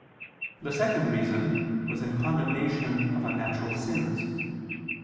The second reason was in condemnation of unnatural sins.